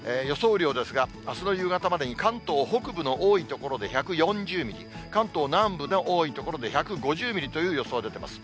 雨量ですが、あすの夕方までに、関東北部の多い所で１４０ミリ、関東南部の多い所で１５０ミリという予想出てます。